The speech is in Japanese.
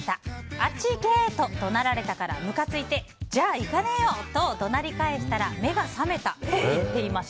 あっち行け！と怒鳴られたからムカついてじゃあ行かねえよ！と怒鳴り返したら目が覚めたと言っていました。